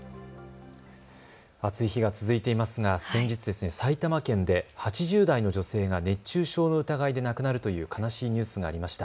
暑い日が続いていますが先日、埼玉県で８０代の女性が熱中症の疑いで亡くなるという悲しいニュースがありました。